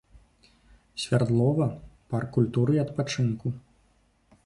Свярдлова, парк культуры і адпачынку.